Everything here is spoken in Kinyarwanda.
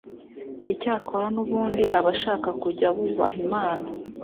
Icyakora n ubundi abashaka kujya bubaha Imana